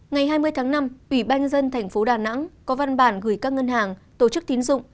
ngày hai mươi tháng năm ủy ban dân tp đà nẵng có văn bản gửi các ngân hàng tổ chức tín dụng